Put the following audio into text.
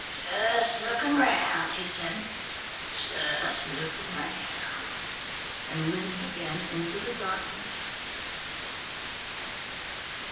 "Just lookin' round," he said, "just lookin' round," and limped again into the darkness.